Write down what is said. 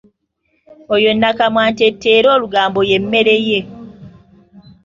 Oyo nakamwantette era olugambo ye mmere ye.